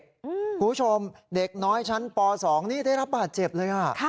คุณผู้ชมเด็กน้อยชั้นป๒นี่ได้รับบาดเจ็บเลย